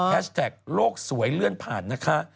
แท็กโลกสวยเลื่อนผ่านนะคะ